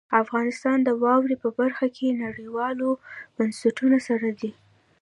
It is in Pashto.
افغانستان د واورې په برخه کې نړیوالو بنسټونو سره دی.